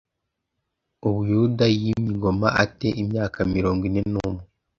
u Buyuda Yimye ingoma a te imyaka mirongo ine n umwe